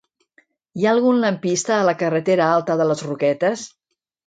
Hi ha algun lampista a la carretera Alta de les Roquetes?